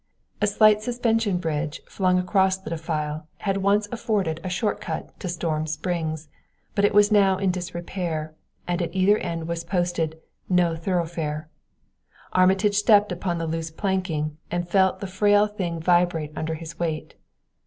A slight suspension bridge flung across the defile had once afforded a short cut to Storm Springs, but it was now in disrepair, and at either end was posted "No Thoroughfare." Armitage stepped upon the loose planking and felt the frail thing vibrate under his weight.